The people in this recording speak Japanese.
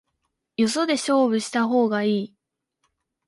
よそで勝負した方がいい